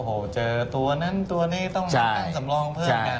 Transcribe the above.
โอ้โหเจอตัวนั้นตัวนี้ต้องมานั่งสำรองเพิ่มกัน